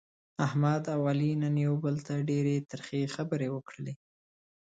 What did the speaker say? احمد او علي نن یو بل ته ډېرې ترخې خبرې وکړلې.